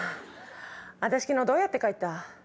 私昨日どうやって帰った？